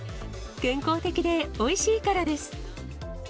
健康的でおいしいからです。